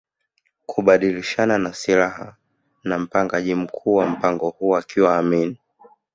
kubadilishana na silaha na mpangaji mkuu wa mpango huu akiwa Amin